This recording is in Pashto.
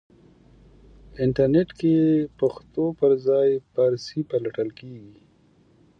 انټرنېټ کې پښتو پرځای فارسی پلټل کېږي.